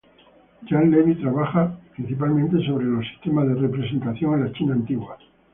Jean Levi trabaja principalmente sobre los sistemas de representación en la China antigua.